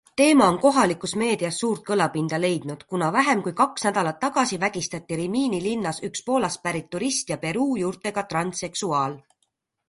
Teema on kohalikus meedias suurt kõlapinda leidnud, kuna vähem kui kaks nädalat tagasi vägistati Rimini linnas üks Poolast pärit turist ja Peruu juurtega transseksuaal.